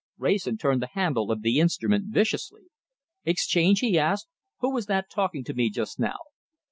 Wrayson turned the handle of the instrument viciously. "Exchange," he asked, "who was that talking to me just now?"